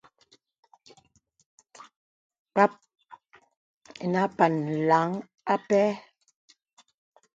Kpap ìnə àpan làŋ àpɛ.